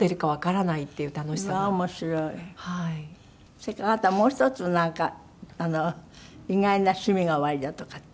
それからあなたもう１つなんか意外な趣味がおありだとかって。